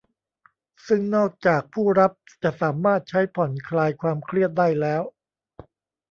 ซึ่งนอกจากผู้รับจะสามารถใช้ผ่อนคลายความเครียดได้แล้ว